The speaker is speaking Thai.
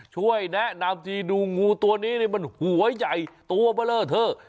ช่วยแนะนำจริงดูงูตัวนี้มันหัวใหญ่ตัวเบลอเท่า